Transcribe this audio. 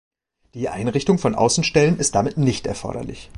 Die Einrichtung von Außenstellen ist damit nicht erforderlich.